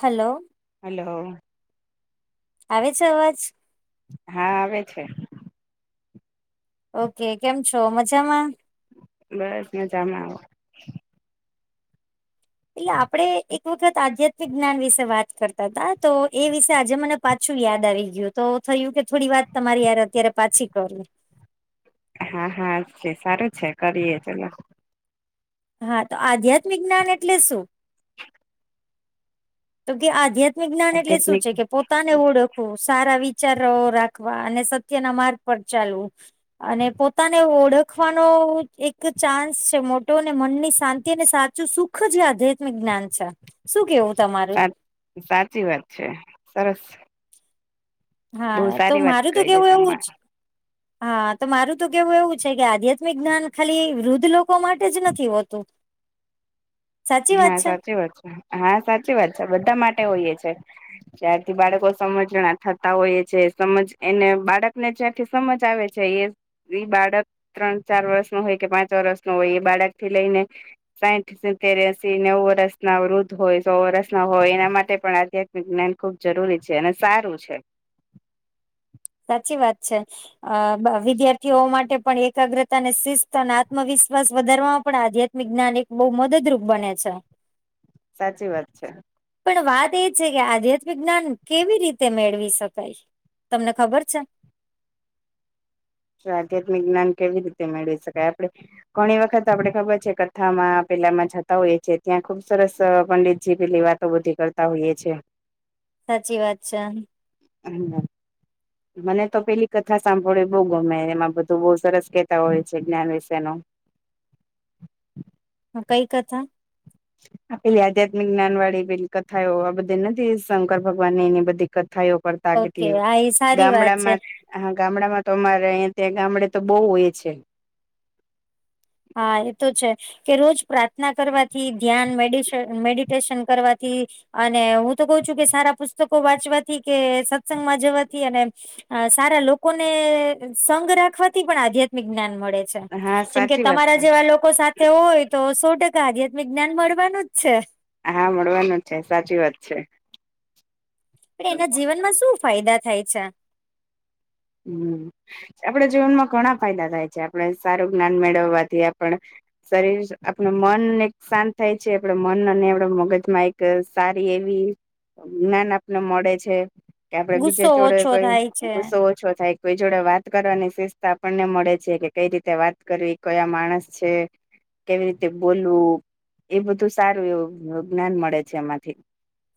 Hello hello આવે છે અવાજ હા આવે છે ઓકે કેમ છો મજામાં બસ મજામાં આવે એટલે આપડે એક આધ્યાત્મિક જ્ઞાન વિશે વાત કરતા હતા તો એ વિશે આજે મને પાછું યાદ આવી ગયું હતું તો થયું કે થોડી વાત તમારી હારે અત્યારે પાછી કરુ હા હા છે સારું છે કરીએ ચલો હા તો આધ્યાત્મિકજ્ઞાન એટલે શું તો કે આધ્યાત્મિક જ્ઞાન એટલે શું આધ્યાત્મિક છે કે પોતાના ઓળખવું સારા વિચારો રાખવા અને સત્ય ના માર્ગ પર ચાલવું અને પોતાને ઓળખવાનો એક ચાન્સ છે મોટો અનેને મનની શાંતિ અને સુખ જે આધ્યાત્મિક જ્ઞાન છે શું કેવું તમારું સાચી વાત છે સરસ બહુ હા તો સારી વાત મારું તો કરી કેવું એવું તમારે જ હા તો મારું તો કેવું એવું છે કે આધ્યાત્મિક જ્ઞાન ખાલી વૃદ્ધ લોકો માટે જ નથી હોતું સાચી વાત હા છે સાચી વાત છે હા સાચી વાત છે બધા માટે હોયએ છે ત્યારથી બાળકો સમજણા થતા હોય છે સમજ એને બાળક ને છે સમજ આવે છે એ એ બાળક ત્રણ ચાર વર્ષ નો હોય કે પાંચ વર્ષ નો હોય એ બાળક થી લઈને સાહીઠ અત્યારે તયાસી નેવું વર્ષના વૃદ્ધ હોય સો વર્ષના હોય એના માટે પણ આધ્યાત્મિક જ્ઞાન ખુબ જરૂરી છે અને સારું છે સાચી વાત છે અ વિધ્યાથી માટે પણ એકાગ્રતા અને શિસ્ત અને આત્મવિશ્વાસ વધારવામાં પણ આધ્યાત્મિક જ્ઞાન બહુ મદદરૂપ બને છે સાચી વાત છે પણ વાત એ છે કે આધ્યાત્મિક જ્ઞાન કેવી રીતે મેળવી શકાય તમને ખબર છે તો આધ્યાત્મિક જ્ઞાન કેવી રીતે મેળવી શકાય આપડે ઘણી વખત આપડે ખબર છે કથામાં પેલામાં જતા હોઈએ છે ત્યાં ખુબ સરસ પંડિતજી પેલી વાત તો બધી કરતા હોઈએ છ છેએ સાચી વાત છે. હમ મને તો પેલી કથા સાંભળે બુ ગમે એમાં બધું બહુ સરસ કતા હોય છે જ્ઞાન વિશે ન હ કઈ કથા પેલી આધ્યાત્મિક જ્ઞાન પેલી વાળી કથાઓ આ બધી નથી શંકર ભગવાન ની એની બધી કથાઓ પડતા ઓકે કેટલી આ એ સારી વાત છે ગામડામાં હા ગામડામાં તો અમારે અહીંયા ત્યાં ગામડે તો બહુ હોય છે હા એ તો છે કે રોજ પ્રાર્થના કરવાથી ધ્યાન મેડ મેડિટેશન કરવાથી અને હું તો કઉ છું કે સારા પુસ્તકો વાંચવાથી કે સત્સંગ માં જવાથી અને અ સારા લોકોને સંગ રાખવાથી પણ આધ્યાત્મિક જ્ઞાન મળે છે હા જેમકે સાચી વાત છે એવા લોકો સાથે હોય તો સો ટકા આધ્યાત્મિક જ્ઞાન મળવાનું જ છે. હા મળવાનું છે સાચી વાત છે. પણ એના જીવન માં શું ફાયદા થાય છે. હમ આપડ જીવનમાં ઘણા ફાયદા થાય છે આપડ સારું જ્ઞાન મેળવવાથી આપ શરીર આપણ મનને એક શાંત થાય છે આપડ મન અને આપણા મગજમાં એક સારી એવી જ્ઞાન આપને મળે છે. કે આપડે બીજે ગુસ્સો જોોડે ઓછો કોઈ થાય છે ગુસ્સો ઓછો થાય કોઈ જોડે વાત કરવાની શિસ્તા આપણને મળે છે કે કઈ રીતે વાત કરવી કયા માણસ છે. કેવી રીતે બોલવું એ બધું સારું એવું જ્ઞાન મળે છે એમાંથી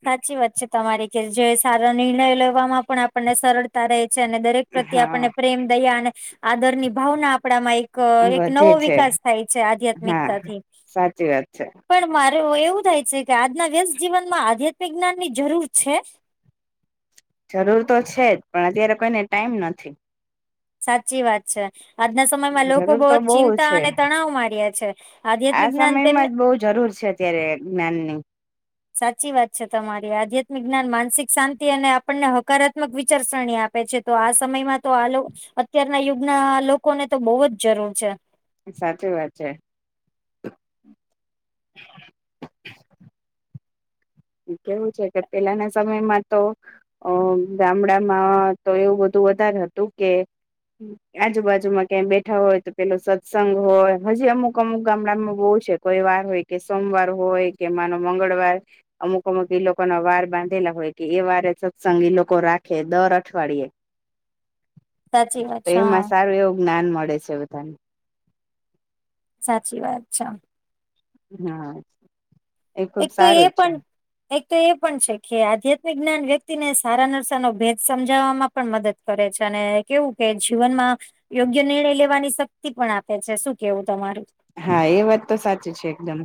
સાચી વાત છે તમારી કે જે સારા નિર્ણયો લેવામાં પણ આપણને સરળતા રહે છે અને દરેક પ્રત્યે આપને હા પ્રેમ દયા અને આદર ની ભાવના આપણામાં એક એક વધે નવો છે વિકાસ થાય છે હા આધ્યાત્મિકતાથી સાચી વાત પણ મારે એવું થાય છે કે આજના વ્યસ્ત જીવનમાં આધ્યાત્મિક જ્ઞાન ની જરૂર છે. જરૂર તો છે જ પણ અત્યારે કોઈને ટાઈમ નથી સાચી વાત છે. આજના સમયમાં લોકો જરૂર બહુ તો જ ચિંતા છે અને તણાવ માર્યા છે આધ્યાત્મિક જ્ઞાન તેમને સે નન સાચી વાત છે તમારી આધ્યાત્મિક જ્ઞાન માનસિક શાંતિ અને આપણને હકારાત્મક વિચારસરણી આપે આપે છે તો આ સમયમાં તો આ અત્યારના યુગના લોકોને તો બહુ જ જરૂર છે. સાચી વાત છે. કેવું છે કે પેલાના સમયમાં તો અ ગામડામાં તો એવું બધું વધારે હતું કે આજુબાજુમાં ક્યાં બેઠા હોય તો પેલો સત્સંગ હોય હજી અમુક અમુક ગામડામાં બહુ છે. કોઈ વાર હોય કે સોમવાર હોય કે માનો મંગળવાર અમુક અમુક ઈ લોકો ના વાર બાંધેલા હોય કે એ વારે સત્સંગ એ લોકો રાખે દર અઠવાડિયે સાચી વાત તો છે હા એમાં સારું એવું જ્ઞાન મળે છે બધાને સાચી વાત છે. હા એ ખુબ એક તો સારું એ જ છે પણ એક તો એ પણ છે કે આધ્યાત્મિક જ્ઞાન વ્યક્તિને સારા નરશ ન ભેદ સમજાવવામાં પણ મદદ કરે છે અને કેવું કે જીવનમાં યોગ્ય નિર્ણય લેવાની શક્તિ પણ આપે છે શું કેવું તમારું હા એ વાત તો સાચી છે એકદમ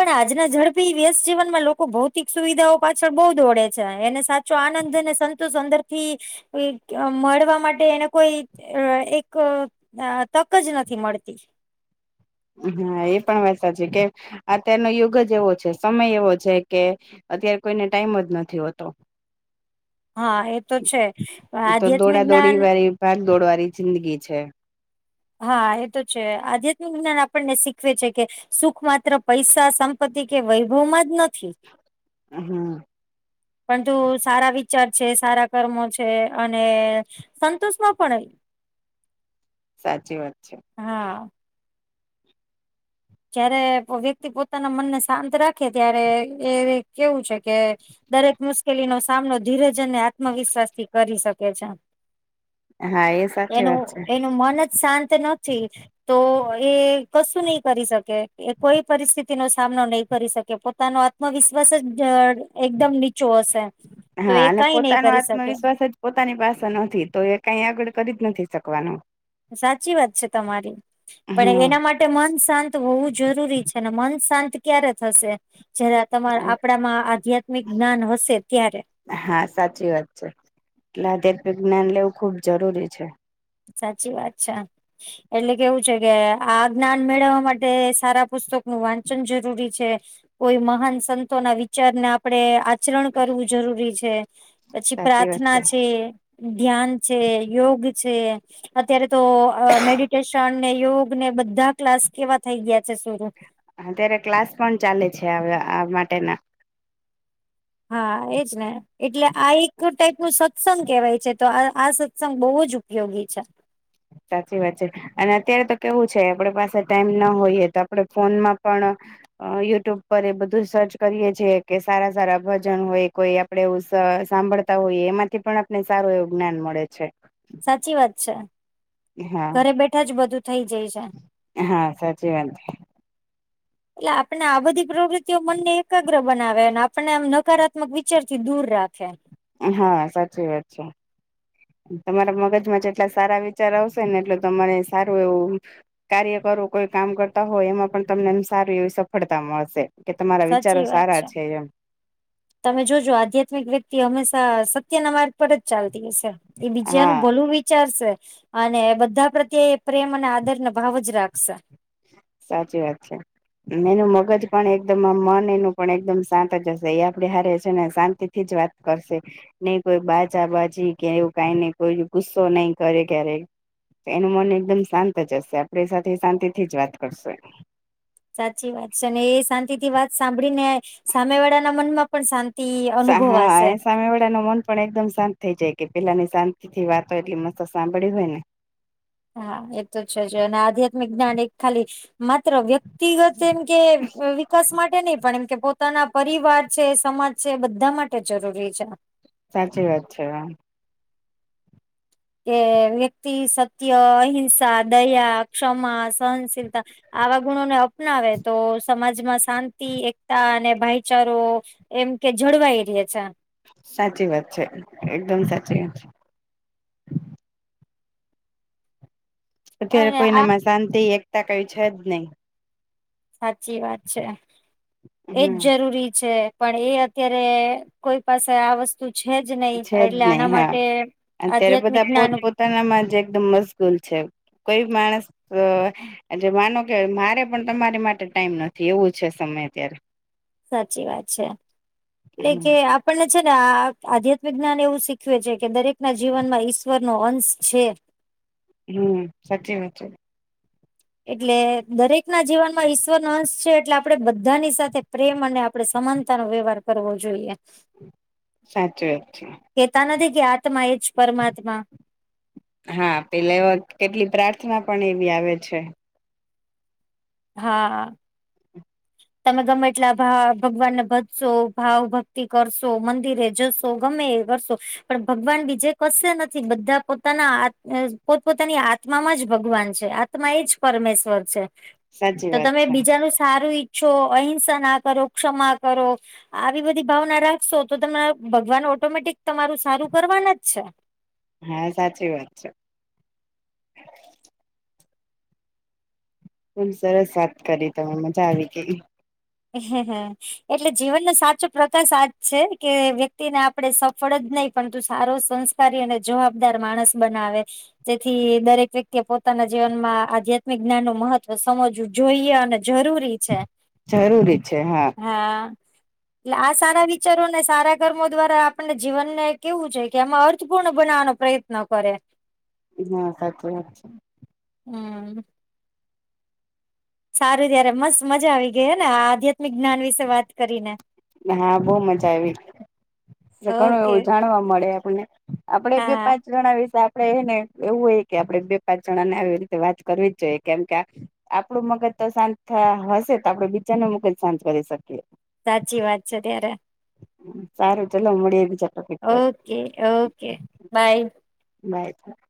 પણ આજના ઝડપી વ્યસ જીવનમાં લોકો ભૌતિક સુવિધાઓ પાછળ બહુ દોડે છે એને સાથે આનંદ અને સંતોષ અંદર થી મળવા માટે એને કોઈ એક હ તક જ નથી મળતી હા એ પણ વાત છે કે અત્યારનો યુગ જ એવો છે સમય એવો છે કે અત્યારે કોઈને ટાઈમ જ નથી હોતો હા એ તો છે આધ્યાત્મિક જ્ઞાન પહેલ દોડવાની જિંદગી છે હા એ તો છે આધ્યાત્મિક જ્ઞાન આપણને શીખવે છે કે સુખ માત્ર પૈસા સંપત્તિ કે વૈભવ માં જ નથી હા પણ તું સારા વિચાર છે સારા કર્મો છે અને સંતોષમાં પણય સાચી વાત છે. હા જયારે વ્યક્તિ પોતાના મનને શાંત રાખે ત્યારે એ કેવું છે કે દરેક મુશ્કેલી નો સામનો ધીરજને આત્મવિશ્વાસ થી કરી શકે છે. હા એ સાચી એનું વાત છે એનું મન જ શાંત ન તો એ કશું નહ કરી શકે એ કોઈ પરિસ્થિતિ નો સામનો નહીં કરી શકે પોતાનો આત્મવિશ્વાસ જ એકદમ નીચું હશે તો હા એ અને કઈ નહી પોતાનો કરી શકે આત્મવિશ્વાસ જ પોતાની પાસે નથી તો એ કઈ આગળ કરી જ નથી શકવાનું સાચી વાત છે તમારી પણ હમ એના માટે માટે મન શાંત હોવું જરૂરી છે ને મન શાંત ક્યારે થશે જ તમારા આપણામાં આધ્યાત્મિક જ્ઞાન હશે ત્યારે હા સાચી વાત છે એટલે આધ્યાત્મિક જ્ઞાન લેવું ખુબ જરૂરી છે સાચી વાત છે એટલે કેવું છે કે આ જ્ઞાન મેળવવા માટે સારા પુસ્તક નું વાંચન જરૂરી છે કોઈ મહાન સંતો ના વિચારને આપે આચરણ કરવું જરૂરી છે પછી સાચી વાત પ્રાર્થના છે ધ્યાન છે યોગ છે અત્યારે તો મેડિટેશન ને યોગ ને બધા ક્લાસ કેવા થઈ ગયા છે સુર અત્યારે ક્લાસ પણ ચાલે છે આ માટેના હા એજ ને એટલે આ એક ટાઈપ નું સત્સંગ કેવાય છે તો આ આ સત્સંગ બહુ જ ઉપયોગી છે સાચી વાત છે અને અત્યારે તો કેવું છે આપડ પાસે ટાઈમ ના હોઈએ તો આપડે ફોનમાં પણ અ યુટ્યુબ પર એ બધું સર્ચ કરીએ છે કે સારા સારા ભજન હોય કોઈ એ આપડ એવું સાંભળતા હોઈએ એમાંથી પણ આપને સારું એવું જ્ઞાન મળે છે સાચી વાત છે હા ઘરે બેઠા જ બધું થઈ જઈશ હા સચીવંત એટલે આપણે આ બધી પ્રવૃતિઓ મનને એકાગ્ર બનાવે અને આપને આમ નકારાત્મક વિચાર થી દૂર રાખે હા સાચી વાત છે તમારા મગજમાં જેટલા સારા વિચાર આવશે ને એટલ તમારે સારું એવું કાર્ય કરો કોઈ કામ કરતા હોય એમાં પણ તમને એ સારીું એવી સફળતા મળશે કે તમારા વિચારો સાચી વાત સારા છે એમ તમે જોજો આધ્યાત્મિક વ્યક્તિ હંમેશા સત્યના માર્ગ ઉપ જ ચાલતી હશે એ હા બીજાનું ભલું વિચારશે અને બધા પ્રત્યે એ પ્રેમ અને આદરને ભાવ જ રાખશે સાચી વાત છે એનું મગજ પણ એકદમ મન એનું પણ એકદમ શાંત જ હશે એ આપડે હારે છે ને શાંતિ થી જ વાત કરશે નઈ કોઈ બાજા બાજી કે એવું કઈને કોઈ ગુસ્સો નઈ કરે ક્યારેક એનું મન એકદમ શાંત જ હશે આપણી સાથે શાંતિથી જ વાત કરશું સાચી વાત છે અને એ શાંતિ થી વાત સાંભળી ને સામે વાળાના મનમાં પણ શાંત સા હા એ સામે વળ નમ પણ એકદમ શાંત થઈ જાય કે પેલાની શાંતિથી વાત હોય એટલી મસ્ત સાંભળી હોય ને હા એ તો છે જ અને આધ્યાત્મિક જ્ઞાન એક ખાલી માત્ર વ્યક્તિ વ્યક્તિગત એમ કે વિકાસ માટે નહી પણ એમ કે પોતાના પરિવાર છે સમાજ છે બધા માટે જરૂરી છે સાચી વાત છે વા કે વ્યક્તિ સત્ય અહિંસા દયા ક્ષમા સહનશીલતા આવા ગુણોને અપનાવે તો સમાજ માં શાંતિ એકતા અને ભાઈચારો એમ કે જળવાઈ રહ્યા છે સાચી વાત છે એકદમ સાચી વાત છે અત્યારે અને આ કોઈનામાં શાંતિ એકતા કઈ છે, જ નહી સાચી વાત છે એજ હમ જરૂરી છે. પણ એ અત્યારે કોઈ પાસે આ વસ્તુ તું છે જ નહીિ છે જ એટલે નહી આના માટે આધ્યાત્મિક જ્ઞાન નામાંજ એકદમ મશગૂલ છે, કોઈ માણસ જ માનો કે મારે પણ તમારી માટે ટાઈમ નથી એવું છે, સમય ત્યારે સાચી વાત છે, એટલે હમ કે આપ આપણને છે ને આ આધ્યાત્મિક જ્ઞાન એવું શીખવે છે કે દરેક ના જીનમાં ઈશ્વર નો અંશ છે. હમ, સાચી નચી એટલે દરેક ના જીવન માં ઈશ્વર ન અંશ છે, એટલે આપડે બધા ની સાથે પ્રેમ અને આપણે સમાનતા નો વ્યવહાર કરવો જોઈએ સાચી વાત છે. કહેતા નથી કે આત્મા એ જ પરમાત્મા હા પેલા કેટલી પ્રાર્થના પણ એવી આવે છે. હા તમે ગમે એટલા ભાવ ભગવાનને ભજશો ભાવ ભક્તિ કરશો મંદિરે જશો ગમે કરશો પણ ભગવાન બીજે કશે નથી બધા પોતાના પોતપોતાની આ આત્મામાં જ ભગવાન છે આત્મા એ જ પરમેશ્વર છે સાચી તો વાત તમે છે બીજાનું સારુ છો અહિંસા ના કરો ક્ષમા કરો આવી બધી ભાવના રાખશો તો તને ભગવાન ઓટોમેટિક તમારું સારું કરવાન જ છે. હા સાચી વાત છે. હલ સરસ વાત કરી તમે મજા આવી કે હ હમ એટલે જીવનનો સાચો પ્રકાશ આજ છે કે વ્યક્તિને આપડે સફળ જ નહીિ પણ તું સારો સંસ્ સારી અને જવાબદાર માણસ બનાવે જેથી દરેક વ્યક્તિએ પોતાના જીવનમાં આધ્યાત્મિક જ્ઞાન નું મહત્વ સમજવ જોઈએ અનેને જરૂરી છે જરૂરી છે, હા હા એટલે આ સારા વિચારોને સારા કર્મો દ્વારા આપણને જીવનને કેવું છે, કે એમાં અર્થપૂર્ણ બનાવવાનો પ્રયત્નો કરે હા સાચી વાત છે. હમ સારું ત્યારે મસ્ત મજા આવી ગઈ ને આ આધ્યાત્મિક જ્ઞાન વિશે વાત કરીને હા, બહુ મજા આવી ઘણું ઓકે એવું જાણવા મળે આપને આપડે બે હા પાંચ જણા વિશે આપડે એને એવું હોય કે આપડણે બે પાંચ જણા ને આવી રીતે વાત કરવી જ જોઈએ કેમ કે આપડું મગજ તો શાંત હશે, તો આપડે બીજા ન મગજ શાંત કરી શકીએ સાચી વાત છે, ત્યારે સારું ચલો મડીએ બીજા ટોપિક પર ઓકે ઓકે બાય [unintelligible]